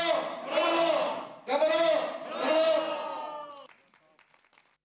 頑張ろう。